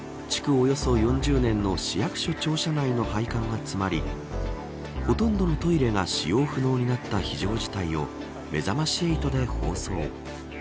およそ４０年の市役所庁舎内の配管が詰まりほとんどのトイレが使用不能になった非常事態をめざまし８で放送。